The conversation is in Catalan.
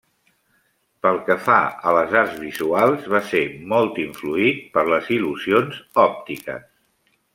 Pel que fa a les arts visuals, va ser molt influït per les il·lusions òptiques.